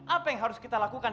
apa yang harus kita lakukan